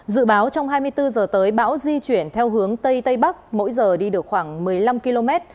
dự báo trong hai mươi bốn h tới bão di chuyển theo hướng tây tây bắc mỗi giờ đi được khoảng một mươi năm km